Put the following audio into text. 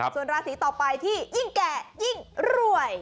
ส่วนราศีต่อไปที่ยิ่งแก่ยิ่งรวย